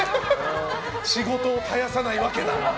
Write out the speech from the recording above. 仕事を絶やさないわけだ。